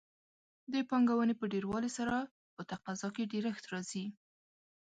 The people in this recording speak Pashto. د پانګونې په ډېروالي سره په تقاضا کې ډېرښت راځي.